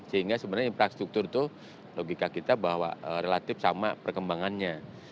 sehingga sebenarnya infrastruktur itu logika kita bahwa relatif sama perkembangannya